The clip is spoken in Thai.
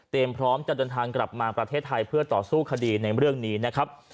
พร้อมจะเดินทางกลับมาประเทศไทยเพื่อต่อสู้คดีในเรื่องนี้นะครับ